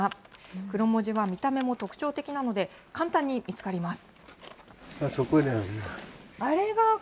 クロモジは見た目も特徴的なので、簡単に見つかります。